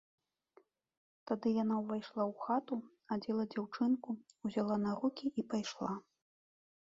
Тады яна ўвайшла ў хату, адзела дзяўчынку, узяла на рукі і пайшла.